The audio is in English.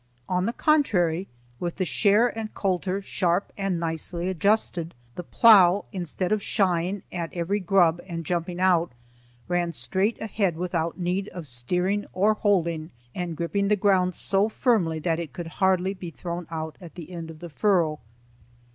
On the contrary, with the share and coulter sharp and nicely adjusted, the plough, instead of shying at every grub and jumping out, ran straight ahead without need of steering or holding, and gripped the ground so firmly that it could hardly be thrown out at the end of the furrow.